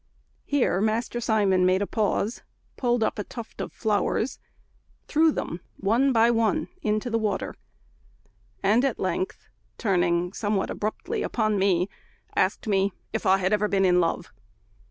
Here Master Simon made a pause, pulled up a tuft of flowers, threw them one by one into the water, and at length, turning somewhat abruptly upon me, asked me if ever I had been in love.